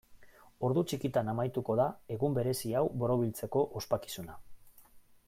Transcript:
Ordu txikitan amaituko da egun berezi hau borobiltzeko ospakizuna.